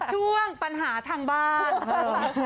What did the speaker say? ช่วงปัญหาทางบ้าน